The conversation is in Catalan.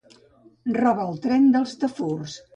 Roba el tren dels tafurs.